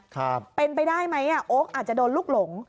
ครับเป็นไปได้ไหมอ่ะโอ๊คอาจจะโดนลูกหลง